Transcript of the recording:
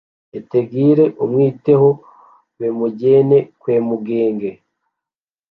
etegire umwiteho bemujyene kwe mugenge